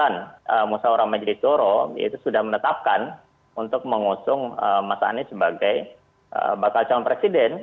yang jelas keputusan musaura majelis suro itu sudah menetapkan untuk mengusung mas anies sebagai bakal calon presiden